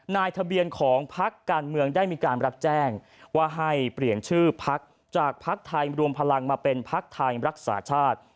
นายทะเบียนของพักการเมืองได้มีการรับแจ้งว่าให้เปลี่ยนชื่อพักจากภักดิ์ไทยรวมพลังมาเป็นพักไทยรักษาชาติ